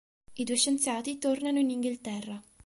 I due scienziati tornano in Inghilterra.